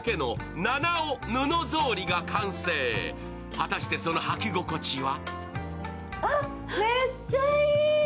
果たしてその履き心地は？